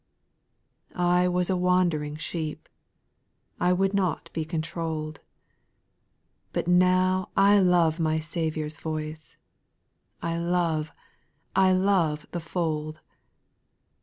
; 8. I was a wand'ring sheep, I would not be controU'd : But now I love my Shepherd's voice, I love, I love the fold I 9.